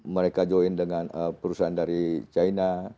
mereka join dengan perusahaan dari china